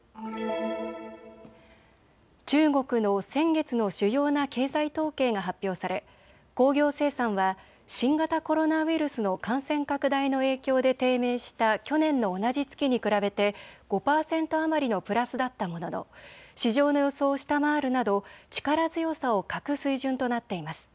中国の先月の主要な経済統計が発表され工業生産は新型コロナウイルスの感染拡大の影響で低迷した去年の同じ月に比べて５％余りのプラスだったものの市場の予想を下回るなど力強さを欠く水準となっています。